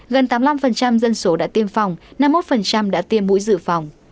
gần tám mươi năm dân số đã tiêm phòng năm mươi một đã tiêm mũi dự phòng